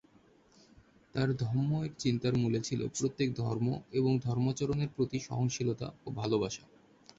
তাঁর ধম্ম-এর চিন্তার মূলে ছিল প্রত্যেক ধর্ম এবং ধর্মাচরণের প্রতি সহনশীলতা ও ভালোবাসা।